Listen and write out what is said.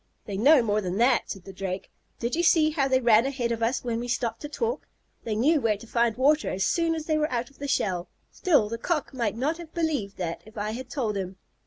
"They know more than that," said the Drake. "Did you see how they ran ahead of us when we stopped to talk? They knew where to find water as soon as they were out of the shell. Still, the Cock might not have believed that if I had told him."